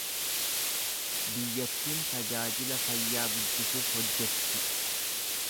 Biyyattiin tajaajila fayyaa guddisuuf hojjetti.